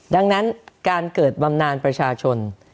ดังนั้นการเกิดบำนานประชาชน